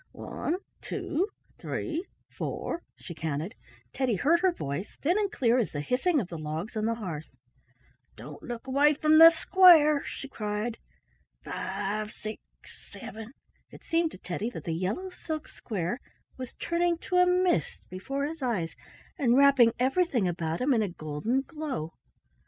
"One—two—three—four," she counted; Teddy heard her voice, thin and clear as the hissing of the logs on the hearth. "Don't look away from the square," she cried. "Five—six—seven" —it seemed to Teddy that the yellow silk square was turning to a mist before his eyes and wrapping everything about him in a golden glow.